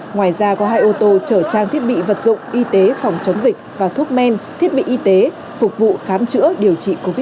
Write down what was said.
ngoài ra có hai ô tô chở trang thiết bị vật dụng y tế phòng chống dịch và thuốc men thiết bị y tế phục vụ khám chữa điều trị covid một mươi chín